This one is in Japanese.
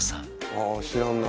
「ああ知らんな」